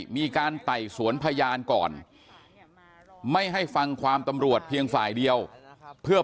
ไต่สวนพยานก่อนไม่ให้ฟังความตำรวจเพียงฝ่ายเดียวเพื่อ